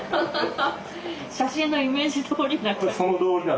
写真のイメージどおりだ。